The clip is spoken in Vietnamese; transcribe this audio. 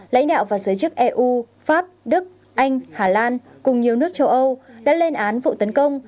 lãnh đạo và giới chức eu pháp đức anh hà lan cùng nhiều nước châu âu đã lên án vụ tấn công